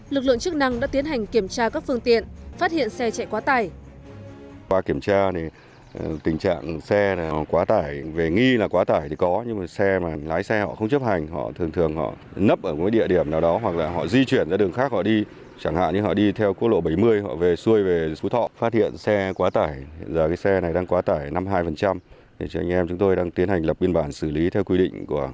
lực lượng chức năng đã tiến hành kiểm tra các phương tiện phát hiện xe chạy quá tải